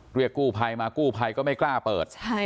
เรียกกู้ภัยมากู้ภัยก็ไม่กล้าเปิด